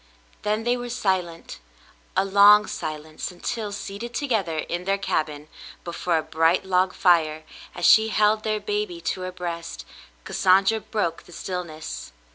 Then they were silent, a long silence, until, seated to gether in their cabin before a bright log fire, as she held their baby to her breast, Cassandra broke the stillness.